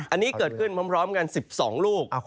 อันนี้เกิดขึ้นพร้อมกัน๑๒ลูก